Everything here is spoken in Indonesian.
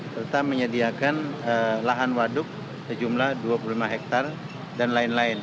serta menyediakan lahan waduk sejumlah dua puluh lima hektare dan lain lain